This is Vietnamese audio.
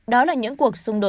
đó là những cuộc xung đột